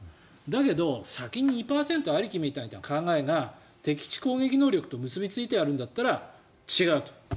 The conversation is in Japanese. だけど先に２％ありきみたいな考えが敵基地攻撃能力と結びついてやるんだったら違うと。